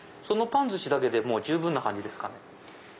そのパンずしだけで十分な感じですかね？